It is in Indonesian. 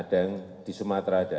jangan di sumatera ada